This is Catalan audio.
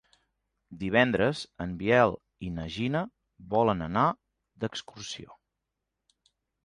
Divendres en Biel i na Gina volen anar d'excursió.